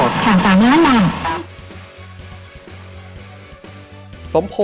ของคุณเค้าได้บร้อยแล้วครับคือเรียบร้อยครับผมสำเร็จ